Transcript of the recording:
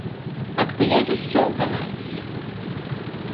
Ak tu Jezus soldonais!